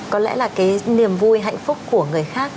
có lẽ là cái niềm vui hạnh phúc của người khác